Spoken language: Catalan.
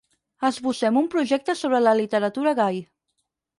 Esbossem un projecte sobre la literatura gai.